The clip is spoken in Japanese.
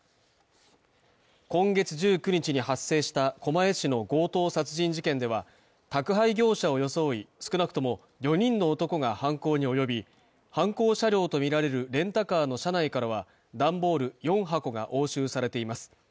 今月１９日に発生した狛江市の強盗殺人事件では、宅配業者を装い、少なくとも４人の男が犯行に及び犯行車両とみられるレンタカーの車内からは段ボール４箱が押収されています。